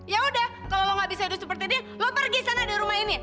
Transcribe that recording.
ya udah kalo lo gak bisa hidup seperti ini lo pergi sana dari rumah ini